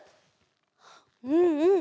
うんうん。